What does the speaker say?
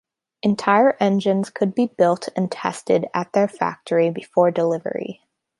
Entire engines could be built and tested at their factory before delivery.